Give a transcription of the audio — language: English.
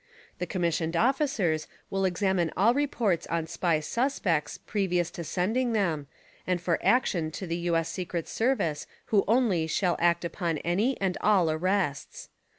The commissioned officers will examine all reports on SPY suspects previous to sending them and for action to the U, S. Secret Service who only shall act upon any and all "arrests."